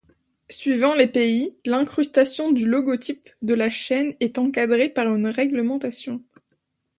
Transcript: Suivant les pays, l'incrustation du logotype de la chaîne est encadré par une réglementation.